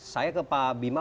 saya ke pak bima